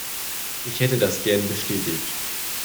Ich hätte das gern bestätigt.